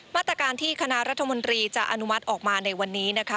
มาตรการที่คณะรัฐมนตรีจะอนุมัติออกมาในวันนี้นะคะ